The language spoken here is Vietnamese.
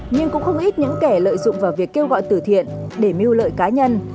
nhưng cũng không ít những kẻ lợi dụng vào việc kêu gọi tử thiện để mưu lợi cá nhân